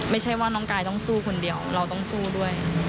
ไม่ใช่ว่าน้องกายต้องสู้คนเดียวเราต้องสู้ด้วย